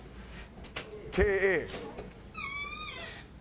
「ＫＡ」。